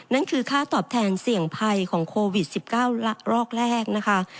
นั่นคือค่าตอบแทนเสี่ยงภัยของโควิด๑๙ระรอกแรกนะคะ